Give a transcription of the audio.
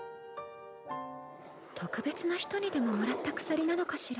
特別な人にでももらった鎖なのかしら？